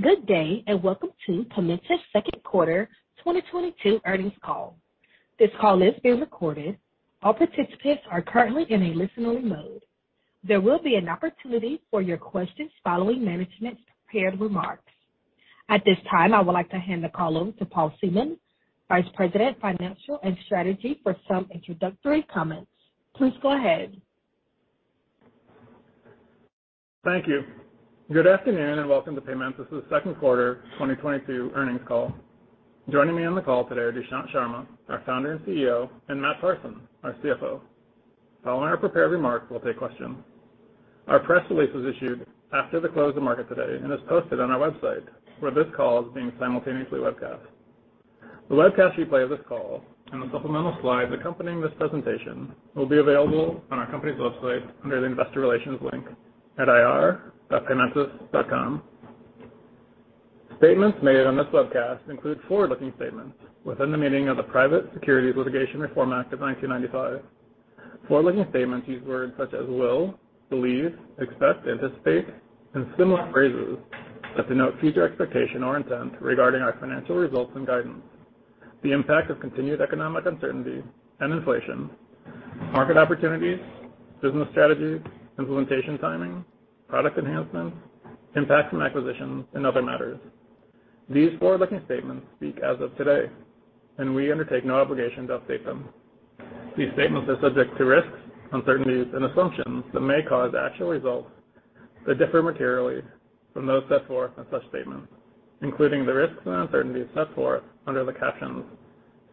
Good day, and welcome to Paymentus' second quarter 2022 earnings call. This call is being recorded. All participants are currently in a listen-only mode. There will be an opportunity for your questions following management's prepared remarks. At this time, I would like to hand the call over to Paul Seamon, Vice President, Finance and Strategy, for some introductory comments. Please go ahead. Thank you. Good afternoon, and welcome to Paymentus's second quarter 2022 earnings call. Joining me on the call today are Dushyant Sharma, our Founder and CEO, and Matt Parson, our CFO. Following our prepared remarks, we'll take questions. Our press release was issued after the close of market today and is posted on our website, where this call is being simultaneously webcast. The webcast replay of this call and the supplemental slides accompanying this presentation will be available on our company's website under the Investor Relations link at ir.paymentus.com. Statements made on this webcast include forward-looking statements within the meaning of the Private Securities Litigation Reform Act of 1995. Forward-looking statements use words such as will, believe, expect, anticipate, and similar phrases that denote future expectation or intent regarding our financial results and guidance, the impact of continued economic uncertainty and inflation, market opportunities, business strategies, implementation timing, product enhancements, impact from acquisitions, and other matters. These forward-looking statements speak as of today, and we undertake no obligation to update them. These statements are subject to risks, uncertainties, and assumptions that may cause actual results to differ materially from those set forth in such statements, including the risks and uncertainties set forth under the captions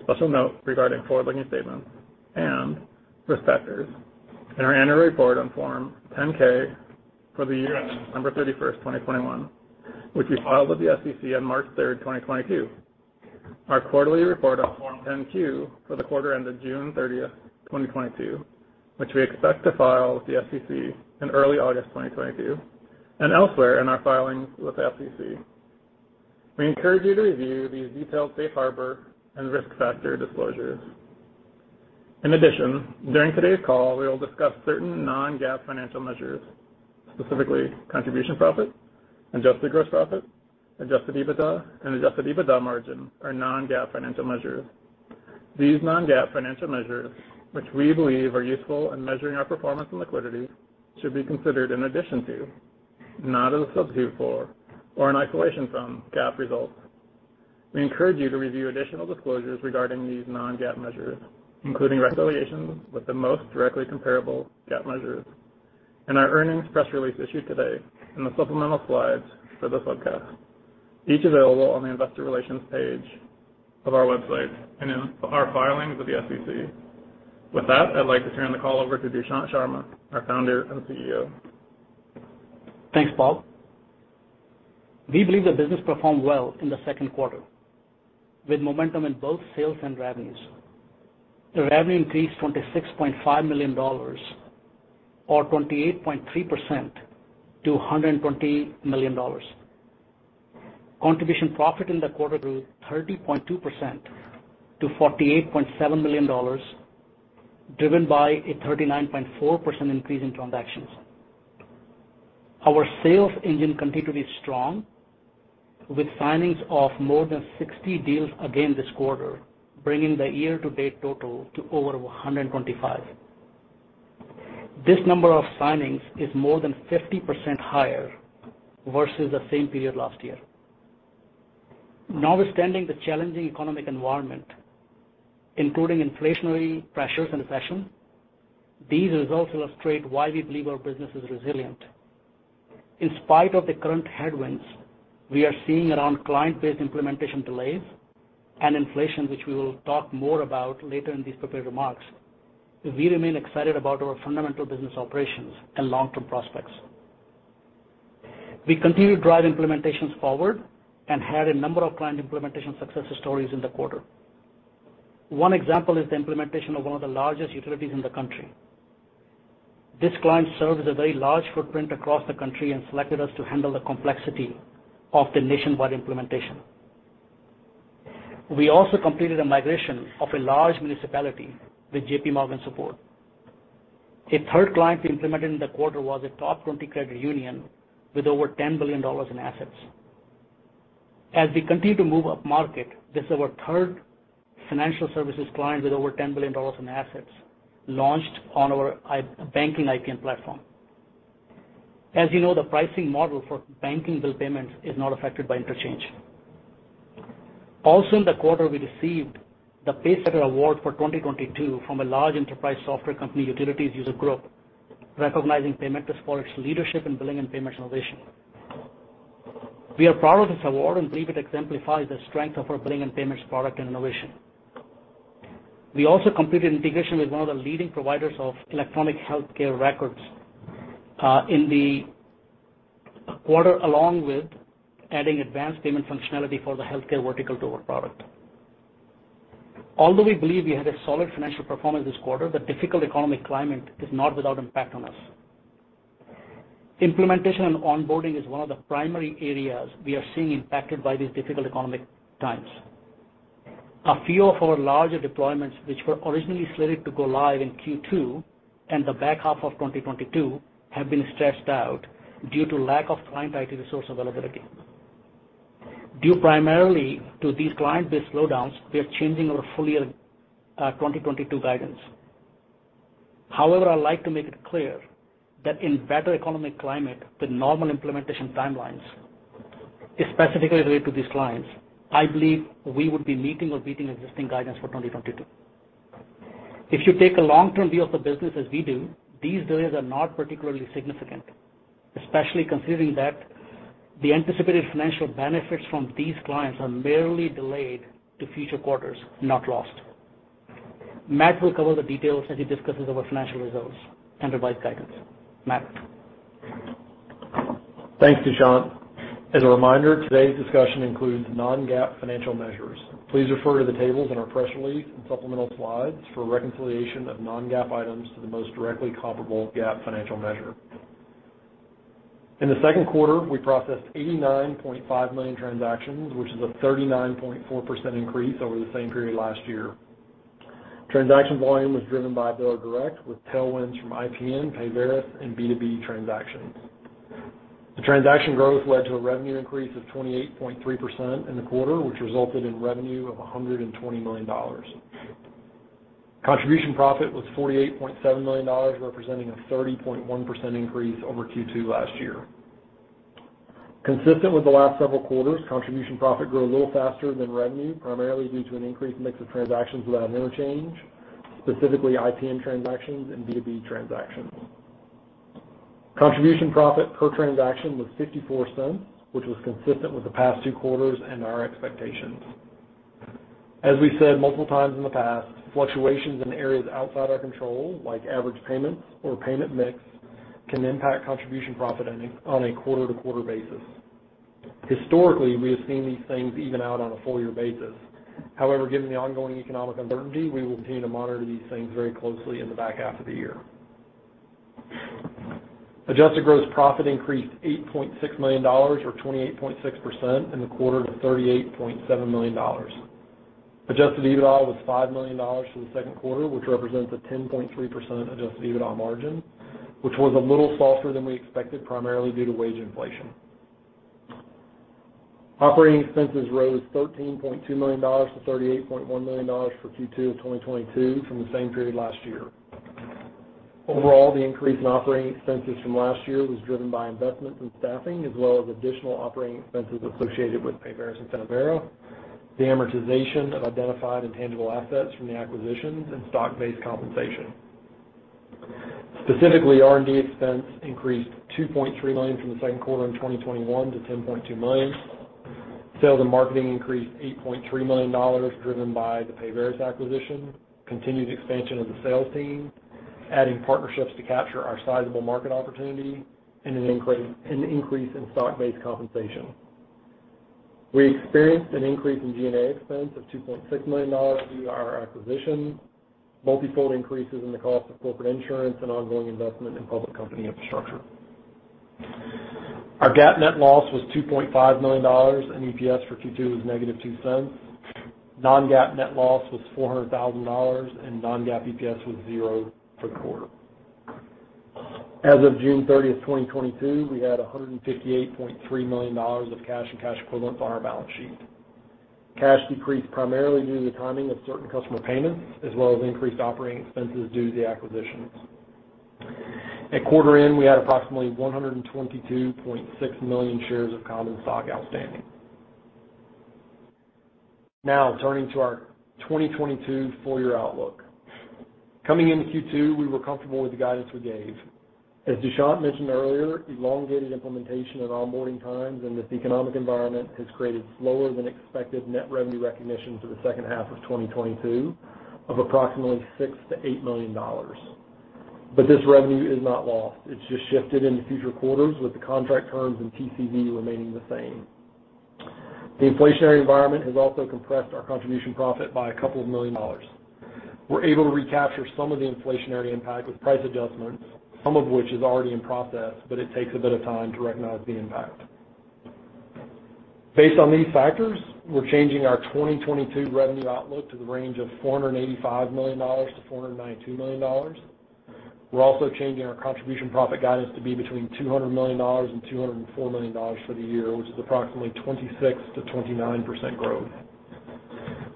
Special Note Regarding Forward-Looking Statements and Risk Factors in our annual report on Form 10-K for the year ended December 31, 2021, which we filed with the SEC on March 3, 2022, our quarterly report on Form 10-Q for the quarter ended June 30, 2022, which we expect to file with the SEC in early August 2022, and elsewhere in our filings with the SEC. We encourage you to review these detailed safe harbor and risk factor disclosures. In addition, during today's call, we will discuss certain non-GAAP financial measures, specifically contribution profit, adjusted gross profit, adjusted EBITDA, and adjusted EBITDA margin are non-GAAP financial measures. These non-GAAP financial measures, which we believe are useful in measuring our performance and liquidity, should be considered in addition to, not as a substitute for, or in isolation from GAAP results. We encourage you to review additional disclosures regarding these non-GAAP measures, including reconciliations with the most directly comparable GAAP measures in our earnings press release issued today in the supplemental slides for this webcast, each available on the Investor Relations page of our website and in our filings with the SEC. With that, I'd like to turn the call over to Dushyant Sharma, our Founder and CEO. Thanks, Paul. We believe the business performed well in the second quarter, with momentum in both sales and revenues. The revenue increased $26.5 million or 28.3% to $120 million. Contribution profit in the quarter grew 30.2% to $48.7 million, driven by a 39.4% increase in transactions. Our sales engine continued to be strong with signings of more than 60 deals again this quarter, bringing the year-to-date total to over 125. This number of signings is more than 50% higher versus the same period last year. Notwithstanding the challenging economic environment, including inflationary pressures and recession, these results illustrate why we believe our business is resilient. In spite of the current headwinds we are seeing around client-based implementation delays and inflation, which we will talk more about later in these prepared remarks, we remain excited about our fundamental business operations and long-term prospects. We continue to drive implementations forward and had a number of client implementation success stories in the quarter. One example is the implementation of one of the largest utilities in the country. This client serves a very large footprint across the country and selected us to handle the complexity of the nationwide implementation. We also completed a migration of a large municipality with JP Morgan support. A third client we implemented in the quarter was a top 20 credit union with over $10 billion in assets. As we continue to move upmarket, this is our third financial services client with over $10 billion in assets launched on our investment banking IPN platform. As you know, the pricing model for banking bill payments is not affected by interchange. Also in the quarter, we received the Pacesetter award for 2022 from a large enterprise software company utilities user group, recognizing Paymentus for its leadership in billing and payments innovation. We are proud of this award and believe it exemplifies the strength of our billing and payments product and innovation. We also completed integration with one of the leading providers of electronic healthcare records in the quarter, along with adding advanced payment functionality for the healthcare vertical to our product. Although we believe we had a solid financial performance this quarter, the difficult economic climate is not without impact on us. Implementation and onboarding is one of the primary areas we are seeing impacted by these difficult economic times. A few of our larger deployments, which were originally slated to go live in Q2 and the back half of 2022, have been stretched out due to lack of client IT resource availability. Due primarily to these client-based slowdowns, we are changing our full year 2022 guidance. However, I'd like to make it clear that in better economic climate with normal implementation timelines, specifically related to these clients, I believe we would be meeting or beating existing guidance for 2022. If you take a long-term view of the business as we do, these delays are not particularly significant, especially considering that the anticipated financial benefits from these clients are merely delayed to future quarters, not lost. Matt will cover the details as he discusses our financial results and revised guidance. Matt? Thanks, Dushyant. As a reminder, today's discussion includes non-GAAP financial measures. Please refer to the tables in our press release and supplemental slides for a reconciliation of non-GAAP items to the most directly comparable GAAP financial measure. In the second quarter, we processed 89.5 million transactions, which is a 39.4% increase over the same period last year. Transaction volume was driven by biller direct with tailwinds from IPN, Payveris, and B2B transactions. The transaction growth led to a revenue increase of 28.3% in the quarter, which resulted in revenue of $120 million. Contribution profit was $48.7 million, representing a 30.1% increase over Q2 last year. Consistent with the last several quarters, contribution profit grew a little faster than revenue, primarily due to an increased mix of transactions that have interchange, specifically IPN transactions and B2B transactions. Contribution profit per transaction was $0.54, which was consistent with the past two quarters and our expectations. As we said multiple times in the past, fluctuations in areas outside our control, like average payments or payment mix, can impact contribution profit on a quarter-to-quarter basis. Historically, we have seen these things even out on a full year basis. However, given the ongoing economic uncertainty, we will continue to monitor these things very closely in the back half of the year. Adjusted gross profit increased $8.6 million or 28.6% in the quarter to $38.7 million. Adjusted EBITDA was $5 million for the second quarter, which represents a 10.3% adjusted EBITDA margin, which was a little softer than we expected, primarily due to wage inflation. Operating expenses rose $13.2 million to $38.1 million for Q2 of 2022 from the same period last year. Overall, the increase in operating expenses from last year was driven by investments in staffing as well as additional operating expenses associated with Payveris and Certapay, the amortization of identified intangible assets from the acquisitions, and stock-based compensation. Specifically, R&D expense increased $2.3 million from the second quarter in 2021 to $10.2 million. Sales and marketing increased $8.3 million, driven by the Payveris acquisition, continued expansion of the sales team, adding partnerships to capture our sizable market opportunity and an increase in stock-based compensation. We experienced an increase in G&A expense of $2.6 million due to our acquisition, multifold increases in the cost of corporate insurance and ongoing investment in public company infrastructure. Our GAAP net loss was $2.5 million, and EPS for Q2 was negative $0.02. Non-GAAP net loss was $400,000, and non-GAAP EPS was 0 for the quarter. As of June 30, 2022, we had $158.3 million of cash and cash equivalents on our balance sheet. Cash decreased primarily due to the timing of certain customer payments, as well as increased operating expenses due to the acquisitions. At quarter end, we had approximately 122.6 million shares of common stock outstanding. Now, turning to our 2022 full year outlook. Coming into Q2, we were comfortable with the guidance we gave. As Dushyant mentioned earlier, elongated implementation and onboarding times in this economic environment has created slower than expected net revenue recognition for the second half of 2022 of approximately $6 million-$8 million. This revenue is not lost. It's just shifted into future quarters with the contract terms and TCV remaining the same. The inflationary environment has also compressed our contribution profit by a couple of million dollars. We're able to recapture some of the inflationary impact with price adjustments, some of which is already in process, but it takes a bit of time to recognize the impact. Based on these factors, we're changing our 2022 revenue outlook to the range of $485 million-$492 million. We're also changing our contribution profit guidance to be between $200 million and $204 million for the year, which is approximately 26%-29% growth.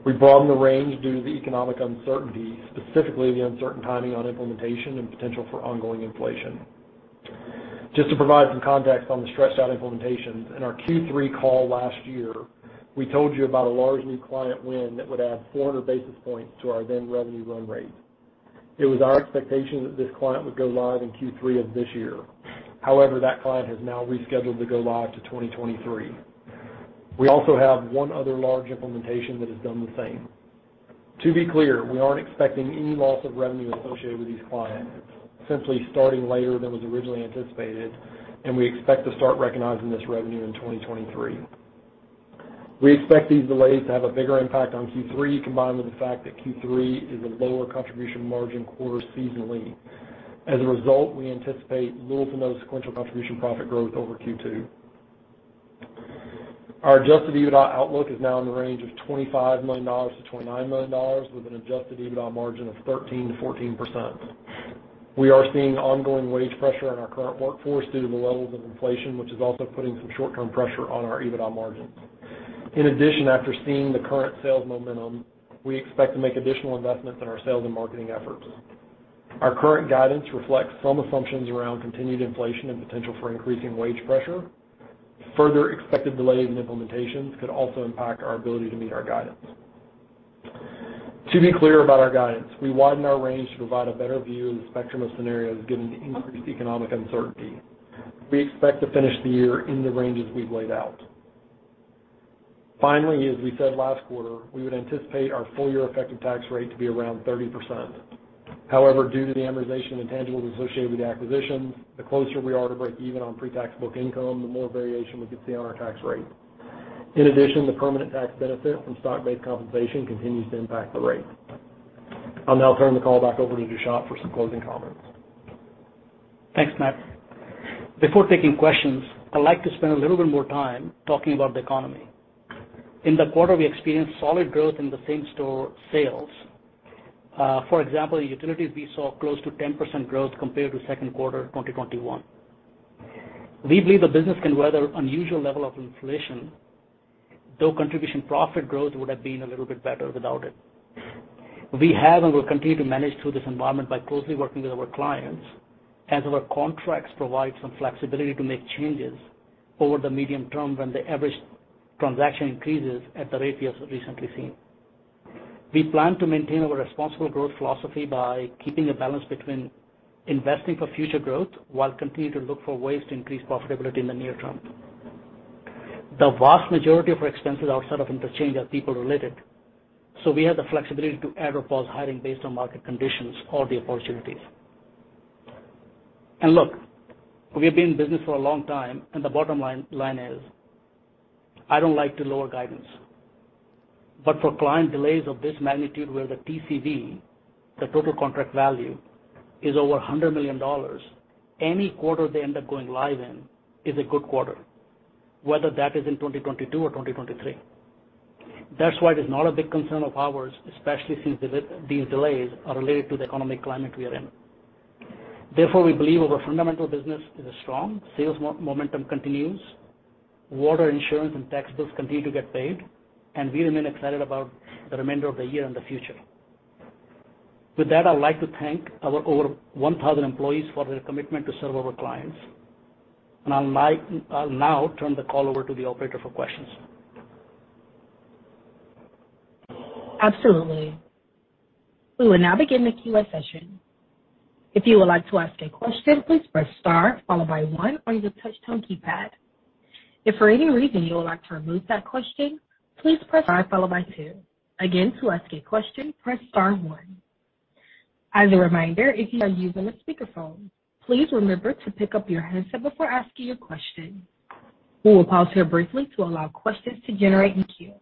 We broadened the range due to the economic uncertainty, specifically the uncertain timing on implementation and potential for ongoing inflation. Just to provide some context on the stretched out implementations, in our Q3 call last year, we told you about a large new client win that would add 400 basis points to our then revenue run rate. It was our expectation that this client would go live in Q3 of this year. However, that client has now rescheduled to go live to 2023. We also have one other large implementation that has done the same. To be clear, we aren't expecting any loss of revenue associated with these clients, simply starting later than was originally anticipated, and we expect to start recognizing this revenue in 2023. We expect these delays to have a bigger impact on Q3, combined with the fact that Q3 is a lower contribution margin quarter seasonally. As a result, we anticipate little to no sequential contribution profit growth over Q2. Our adjusted EBITDA outlook is now in the range of $25 million-$29 million, with an adjusted EBITDA margin of 13%-14%. We are seeing ongoing wage pressure on our current workforce due to the levels of inflation, which is also putting some short-term pressure on our EBITDA margins. In addition, after seeing the current sales momentum, we expect to make additional investments in our sales and marketing efforts. Our current guidance reflects some assumptions around continued inflation and potential for increasing wage pressure. Further expected delays in implementations could also impact our ability to meet our guidance. To be clear about our guidance, we widen our range to provide a better view of the spectrum of scenarios given the increased economic uncertainty. We expect to finish the year in the ranges we've laid out. Finally, as we said last quarter, we would anticipate our full year effective tax rate to be around 30%. However, due to the amortization and intangibles associated with the acquisition, the closer we are to break even on pre-tax book income, the more variation we could see on our tax rate. In addition, the permanent tax benefit from stock-based compensation continues to impact the rate. I'll now turn the call back over to Dushyant for some closing comments. Thanks, Matt. Before taking questions, I'd like to spend a little bit more time talking about the economy. In the quarter, we experienced solid growth in the same-store sales. For example, in utilities, we saw close to 10% growth compared to second quarter 2021. We believe the business can weather unusual level of inflation, though contribution profit growth would have been a little bit better without it. We have and will continue to manage through this environment by closely working with our clients, as our contracts provide some flexibility to make changes over the medium term when the average transaction increases at the rate we have recently seen. We plan to maintain our responsible growth philosophy by keeping a balance between investing for future growth while continuing to look for ways to increase profitability in the near term. The vast majority of our expenses outside of interchange are people related, so we have the flexibility to add or pause hiring based on market conditions or the opportunities. Look, we've been in business for a long time, and the bottom line is, I don't like to lower guidance. For client delays of this magnitude where the TCV, the total contract value, is over $100 million, any quarter they end up going live in is a good quarter, whether that is in 2022 or 2023. That's why it is not a big concern of ours, especially since these delays are related to the economic climate we are in. Therefore, we believe our fundamental business is strong. Sales momentum continues. Water, insurance, and tax bills continue to get paid, and we remain excited about the remainder of the year and the future. With that, I'd like to thank our over 1,000 employees for their commitment to serve our clients. I'll now turn the call over to the operator for questions. Absolutely. We will now begin the QA session. If you would like to ask a question, please press star followed by one on your touch tone keypad. If for any reason you would like to remove that question, please press star followed by two. Again, to ask a question, press star one. As a reminder, if you are using a speakerphone, please remember to pick up your handset before asking your question. We will pause here briefly to allow questions to generate in queue.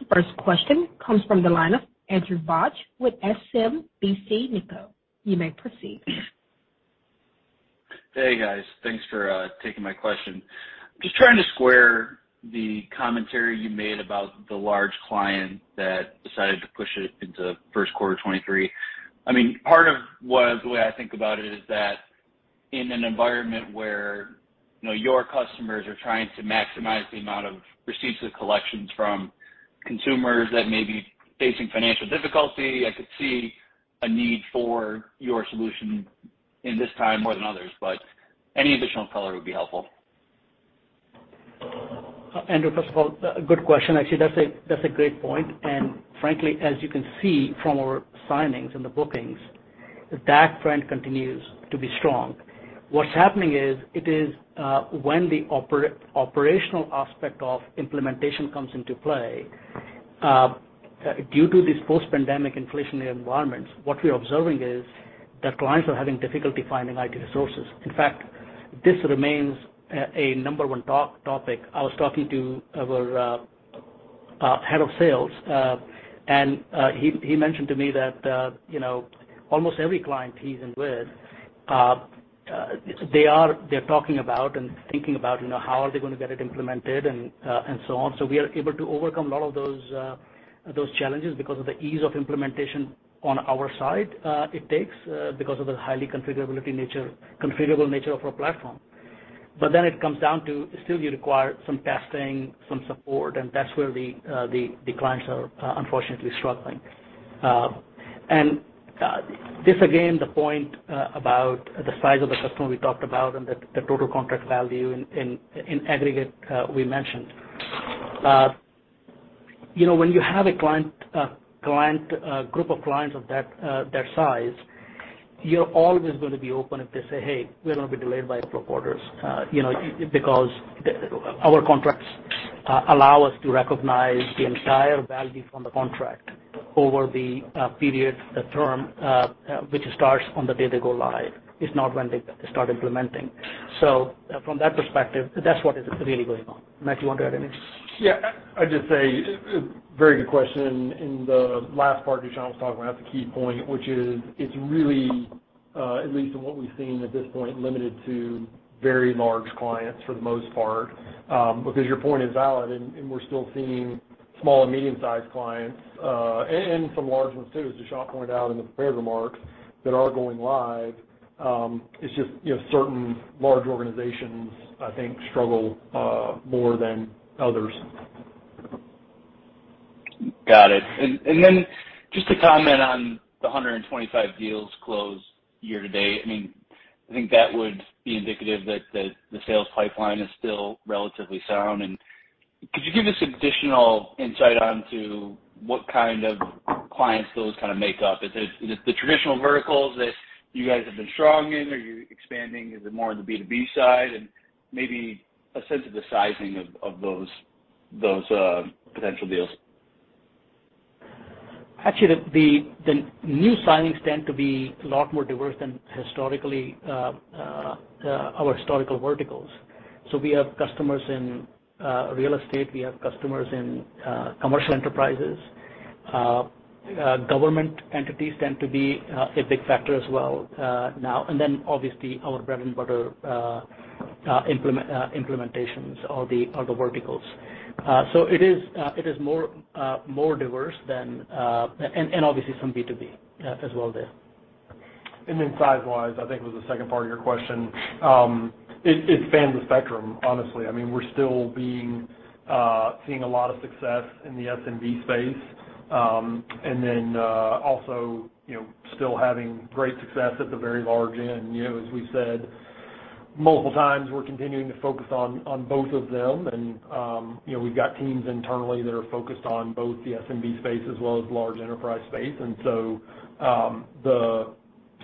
The first question comes from the line of Andrew Boone with SMBC Nikko. You may proceed. Hey, guys. Thanks for taking my question. Just trying to square the commentary you made about the large client that decided to push it into first quarter 2023. I mean, part of the way I think about it is that in an environment where your customers are trying to maximize the amount of receipts with collections from consumers that may be facing financial difficulty, I could see a need for your solution in this time more than others, but any additional color would be helpful. Andrew, first of all, good question. Actually, that's a great point. Frankly, as you can see from our signings and the bookings, that trend continues to be strong. What's happening is, it is, when the operational aspect of implementation comes into play, due to this post-pandemic inflationary environment, what we're observing is that clients are having difficulty finding IT resources. In fact, this remains a number one top topic. I was talking to our head of sales, and he mentioned to me that, you know, almost every client he's in with, they're talking about and thinking about, you know, how are they gonna get it implemented and so on. We are able to overcome a lot of those challenges because of the ease of implementation on our side, because of the configurable nature of our platform. It comes down to still you require some testing, some support, and that's where the clients are unfortunately struggling. This again, the point about the size of the customer we talked about and the total contract value in aggregate, we mentioned. You know, when you have a client group of clients of that size, you're always gonna be open if they say, "Hey, we're gonna be delayed by a couple of quarters." You know, because our contracts allow us to recognize the entire value from the contract over the period, the term, which starts on the day they go live. It's not when they start implementing. From that perspective, that's what is really going on. Matt, you want to add anything? Yeah, I'd just say, very good question. In the last part, Dushyant was talking about the key point, which is it's really, at least in what we've seen at this point, limited to very large clients for the most part, because your point is valid, and we're still seeing small and medium-sized clients, and some large ones too, as Dushyant pointed out in the prepared remarks, that are going live. It's just, you know, certain large organizations, I think, struggle, more than others. Got it. Just to comment on the 125 deals closed year to date, I mean, I think that would be indicative that the sales pipeline is still relatively sound. Could you give us additional insight into what kind of clients those kind of make up? Is it the traditional verticals that you guys have been strong in? Are you expanding? Is it more on the B2B side? Maybe a sense of the sizing of those potential deals. Actually, the new signings tend to be a lot more diverse than historically our historical verticals. We have customers in real estate. We have customers in commercial enterprises. Government entities tend to be a big factor as well now. Then obviously, our bread and butter implementations are the verticals. It is more diverse than. Obviously some B2B as well there. Size-wise, I think was the second part of your question. It spans the spectrum, honestly. We're still seeing a lot of success in the SMB space, and then also, you know, still having great success at the very large end. You know, as we've said multiple times, we're continuing to focus on both of them. You know, we've got teams internally that are focused on both the SMB space as well as large enterprise space. The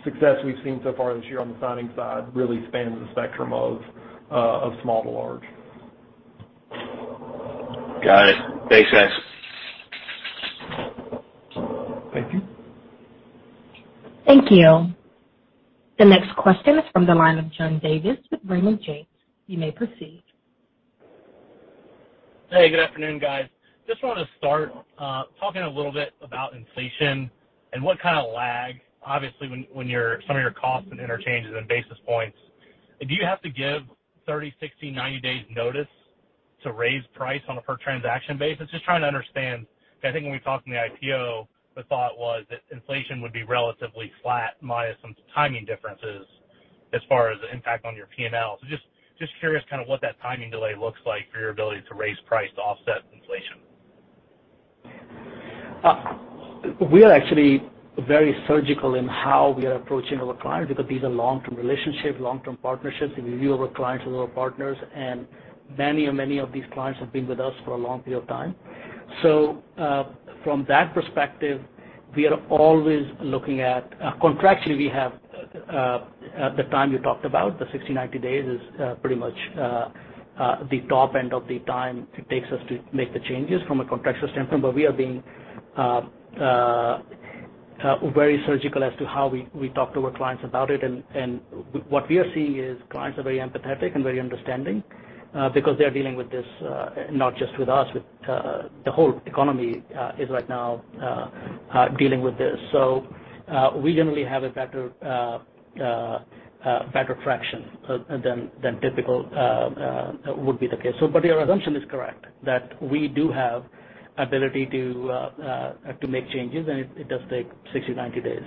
success we've seen so far this year on the signing side really spans the spectrum of small to large. Got it. Thanks, guys. Thank you. Thank you. The next question is from the line of John Davis with Raymond James. You may proceed. Hey, good afternoon, guys. Just wanna start talking a little bit about inflation and what kind of lag, obviously when some of your costs and interchanges and basis points. Do you have to give 30, 60, 90 days notice to raise price on a per transaction basis? Just trying to understand, because I think when we talked in the IPO, the thought was that inflation would be relatively flat minus some timing differences as far as the impact on your P&L. Just curious kind of what that timing delay looks like for your ability to raise price to offset inflation. We are actually very surgical in how we are approaching our clients because these are long-term relationships, long-term partnerships, and we view our clients as our partners, and many of these clients have been with us for a long period of time. From that perspective, contractually, we have the time you talked about, the 60-90 days is pretty much the top end of the time it takes us to make the changes from a contractual standpoint. We are being very surgical as to how we talk to our clients about it. What we are seeing is clients are very empathetic and very understanding, because they are dealing with this, not just with us, with the whole economy is right now dealing with this. We generally have a better traction than typical would be the case. But your assumption is correct, that we do have ability to make changes, and it does take 60-90 days.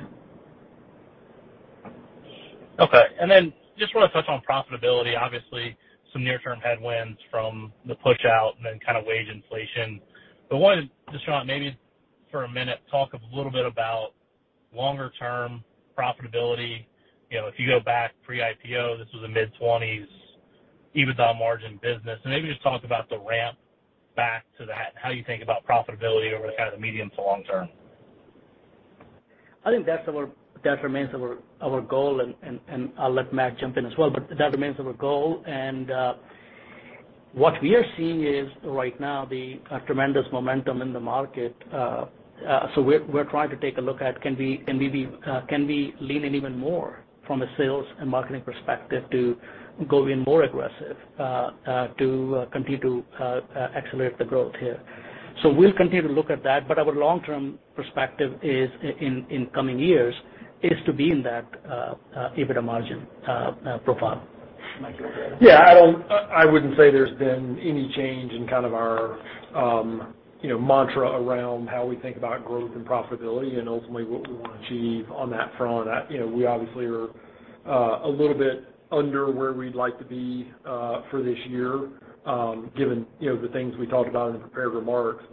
Okay. Then just wanna touch on profitability, obviously some near-term headwinds from the push out and then kind of wage inflation. Wanted, Dushyant, maybe for a minute, talk a little bit about longer term profitability. You know, if you go back pre-IPO, this was a mid-20s EBITDA margin business. Maybe just talk about the ramp back to that and how you think about profitability over kind of the medium to long term. I think that remains our goal, and I'll let Matt jump in as well. That remains our goal. What we are seeing is right now the tremendous momentum in the market. We're trying to take a look at can we lean in even more from a sales and marketing perspective to go in more aggressive to continue to accelerate the growth here. We'll continue to look at that, but our long-term perspective in coming years is to be in that EBITDA margin profile. Matt, you want to add? Yeah. I wouldn't say there's been any change in kind of our, you know, mantra around how we think about growth and profitability and ultimately what we wanna achieve on that front. You know, we obviously are a little bit under where we'd like to be for this year, given, you know, the things we talked about in the prepared remarks.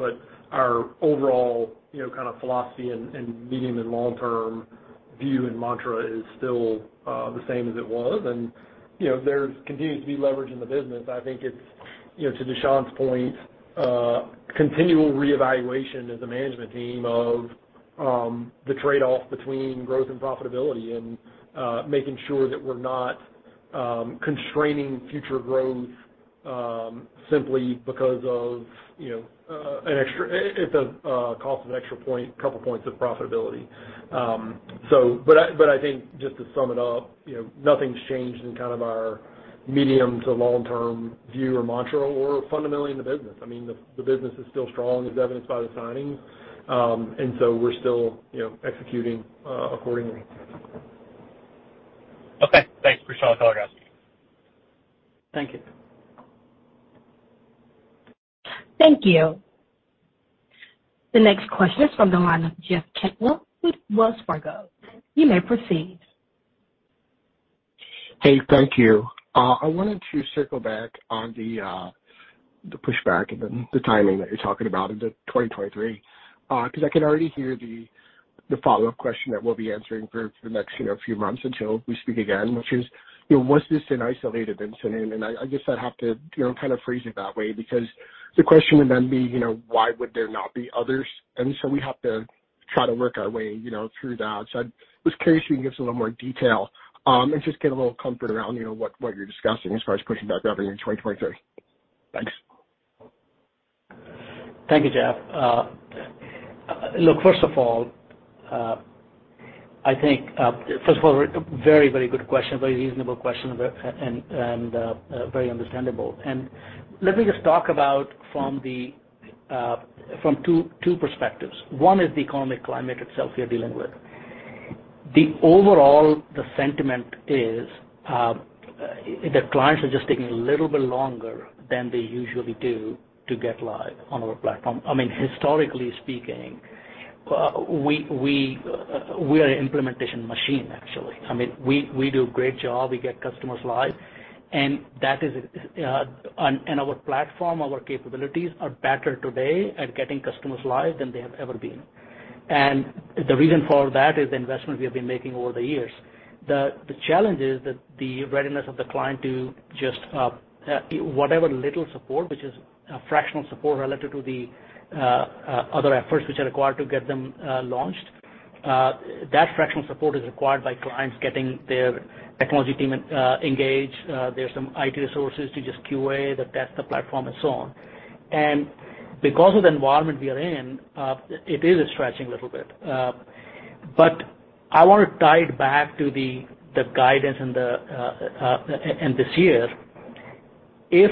Our overall, you know, kind of philosophy and medium and long-term view and mantra is still the same as it was. You know, there continues to be leverage in the business. I think it's, you know, to Dushyant's point, continual reevaluation as a management team of the trade-off between growth and profitability and making sure that we're not constraining future growth simply because of, you know, an extra. It's the cost of an extra point, a couple points of profitability. I think just to sum it up, you know, nothing's changed in kind of our medium- to long-term view or mantra or fundamentally in the business. I mean, the business is still strong as evidenced by the signings. We're still, you know, executing accordingly. Okay. Thanks. Dushyant Sharma. Thank you. Thank you. The next question is from the line of Jeff Cantwell with Wells Fargo. You may proceed. Hey, thank you. I wanted to circle back on the pushback and then the timing that you're talking about into 2023. 'Cause I could already hear the follow-up question that we'll be answering for the next few months until we speak again, which is, you know, was this an isolated incident? I guess I'd have to kind of phrase it that way because the question would then be, you know, why would there not be others? We have to try to work our way through that. I'm just curious if you can give us a little more detail and just get a little comfort around what you're discussing as far as pushing back revenue in 2023. Thanks. Thank you, Jeff. Look, first of all, very, very good question, very reasonable question and very understandable. Let me just talk about from two perspectives. One is the economic climate itself we are dealing with. The overall sentiment is the clients are just taking a little bit longer than they usually do to get live on our platform. I mean, historically speaking, we are an implementation machine actually. I mean, we do a great job. We get customers live, and that is our platform, our capabilities are better today at getting customers live than they have ever been. The reason for that is the investment we have been making over the years. The challenge is that the readiness of the client to just whatever little support, which is a fractional support relative to the other efforts which are required to get them launched, that fractional support is required by clients getting their technology team engaged. There's some IT resources to just QA to test the platform and so on. Because of the environment we are in, it is stretching a little bit. I want to tie it back to the guidance and this year. If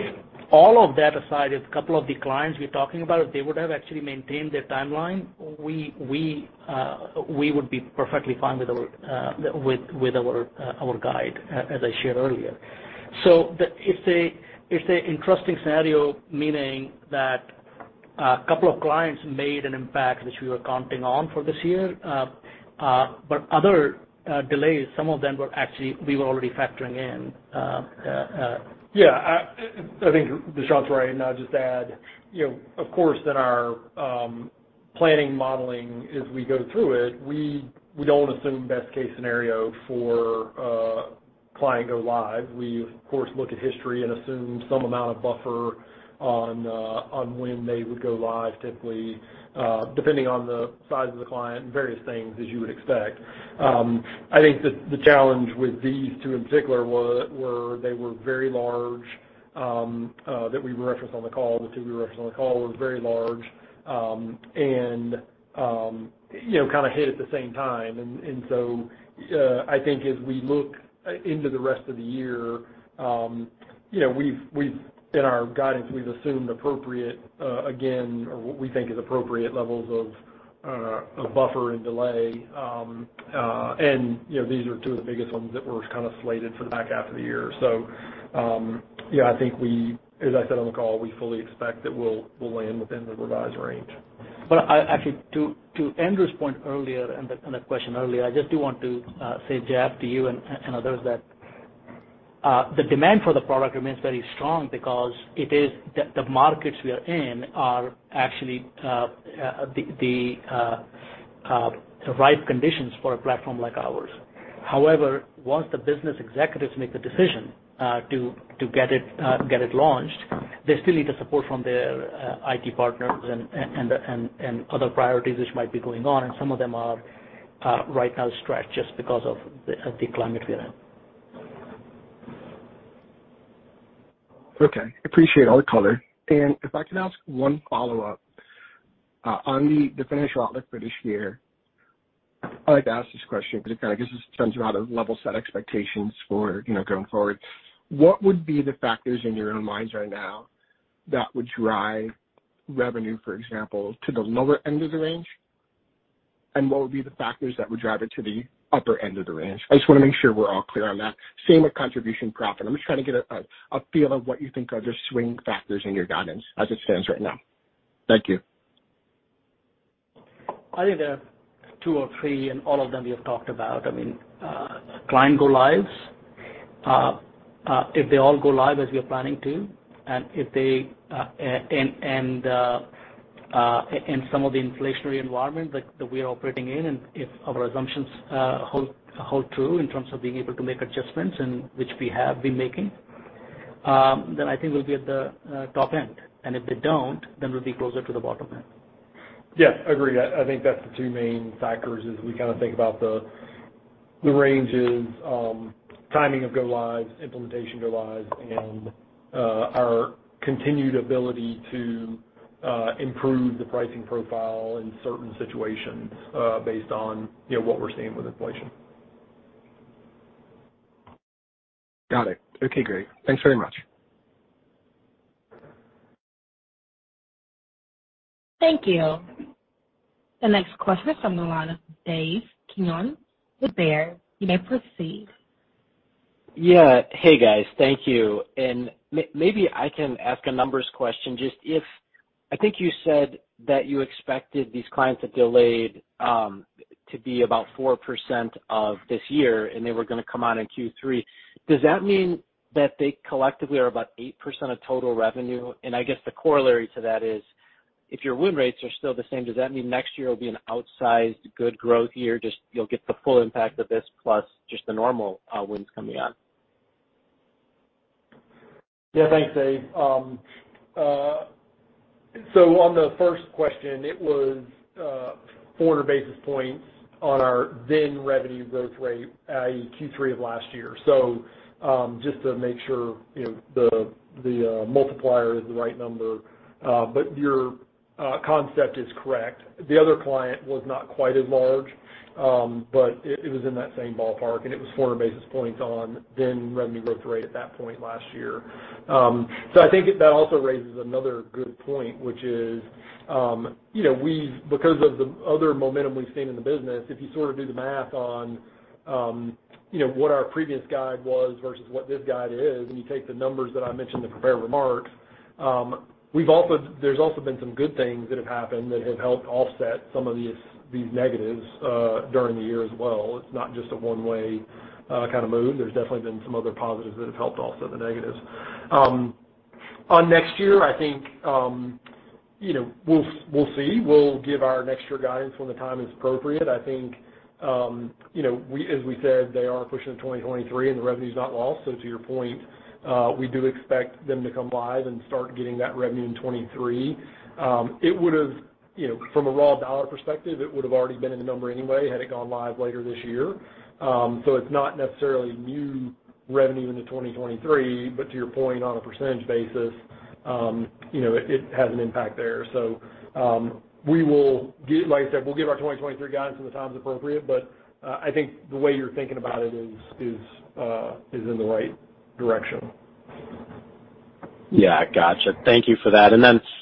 all of that aside, if a couple of the clients we're talking about, they would have actually maintained their timeline, we would be perfectly fine with our guidance, as I shared earlier. It's an interesting scenario, meaning that a couple of clients made an impact, which we were counting on for this year. Other delays, some of them were actually we were already factoring in. Yeah. I think Dushyant's right, and I'll just add, you know, of course, in our planning, modeling as we go through it, we don't assume best case scenario for a client go live. We of course look at history and assume some amount of buffer on when they would go live, typically, depending on the size of the client and various things as you would expect. I think the challenge with these two in particular were they were very large, that we referenced on the call. The two we referenced on the call were very large, and you know, kind of hit at the same time. I think as we look into the rest of the year, you know, in our guidance we've assumed appropriate, again, or what we think is appropriate levels of buffer and delay. You know, these are two of the biggest ones that were kind of slated for the back half of the year. Yeah, I think, as I said on the call, we fully expect that we'll land within the revised range. Actually to Andrew's point earlier and the question earlier, I just do want to say, Jeff, to you and others that the demand for the product remains very strong because it is the markets we are in are actually the right conditions for a platform like ours. However, once the business executives make the decision to get it launched, they still need the support from their IT partners and other priorities which might be going on. Some of them are right now stretched just because of the climate we are in. Okay. Appreciate all the color. If I could ask one follow-up on the financial outlook for this year. I like to ask this question because it kind of gives us a sense of how to level set expectations for, you know, going forward. What would be the factors in your own minds right now that would drive revenue, for example, to the lower end of the range? What would be the factors that would drive it to the upper end of the range? I just want to make sure we're all clear on that. Same with contribution profit. I'm just trying to get a feel of what you think are the swing factors in your guidance as it stands right now. Thank you. I think there are two or three, and all of them we have talked about. I mean, client go-lives. If they all go live as we are planning to, and if they and some of the inflationary environment that we are operating in, and if our assumptions hold true in terms of being able to make adjustments and which we have been making, then I think we'll be at the top end. If they don't, then we'll be closer to the bottom end. Yes, agreed. I think that's the two main factors as we kind of think about the ranges, timing of go lives, implementation go lives, and our continued ability to improve the pricing profile in certain situations, based on, you know, what we're seeing with inflation. Got it. Okay, great. Thanks very much. Thank you. The next question is from the line of David Koning with Baird. You may proceed. Yeah. Hey, guys. Thank you. Maybe I can ask a numbers question. Just, I think you said that you expected these clients that delayed to be about 4% of this year, and they were gonna come on in Q3. Does that mean that they collectively are about 8% of total revenue? And I guess the corollary to that is if your win rates are still the same, does that mean next year will be an outsized good growth year? Just you'll get the full impact of this plus just the normal wins coming on. Yeah. Thanks, Dave. On the first question, it was 400 basis points on our then revenue growth rate at Q3 of last year. Just to make sure, you know, the multiplier is the right number, but your concept is correct. The other client was not quite as large, but it was in that same ballpark, and it was 400 basis points on then revenue growth rate at that point last year. I think that also raises another good point, which is, you know, we've, because of the other momentum we've seen in the business, if you sort of do the math on, you know, what our previous guide was versus what this guide is, and you take the numbers that I mentioned in the prepared remarks, we've also. There's also been some good things that have happened that have helped offset some of these negatives during the year as well. It's not just a one-way kind of mood. There's definitely been some other positives that have helped offset the negatives. On next year, I think, you know, we'll see. We'll give our next year guidance when the time is appropriate. I think, you know, we, as we said, they are pushing to 2023, and the revenue's not lost. To your point, we do expect them to come live and start getting that revenue in 2023. It would've, you know, from a raw dollar perspective, it would've already been in the number anyway had it gone live later this year. It's not necessarily new revenue into 2023, but to your point, on a percentage basis, you know, it has an impact there. Like I said, we'll give our 2023 guidance when the time is appropriate, but I think the way you're thinking about it is in the right direction. Yeah. Gotcha. Thank you for that.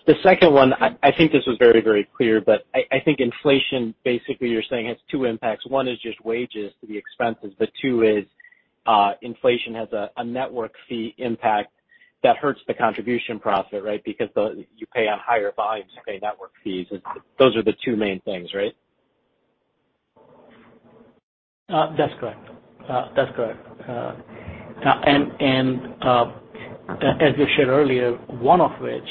The second one, I think this was very, very clear, but I think inflation basically you're saying has two impacts. One is just wages to the expenses, but two is, inflation has a network fee impact that hurts the contribution profit, right? Because you pay on higher volumes, you pay network fees. Those are the two main things, right? That's correct. As we shared earlier, one of which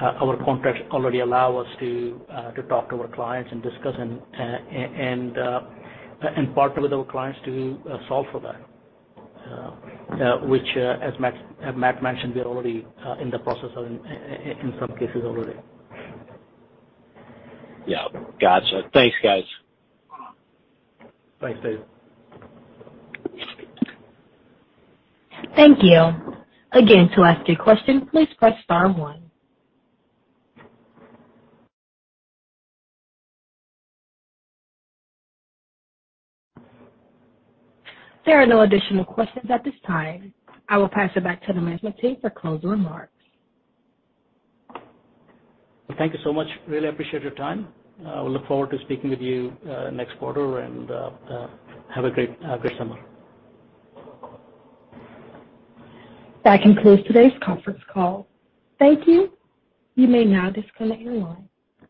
our contracts already allow us to talk to our clients and discuss and partner with our clients to solve for that, which as Matt mentioned, we're already in the process of in some cases already. Yeah. Gotcha. Thanks, guys. Thanks, Dave. Thank you. Again, to ask a question, please press star one. There are no additional questions at this time. I will pass it back to the management team for closing remarks. Thank you so much. Really appreciate your time. We look forward to speaking with you, next quarter and have a great summer. That concludes today's conference call. Thank you. You may now disconnect your line.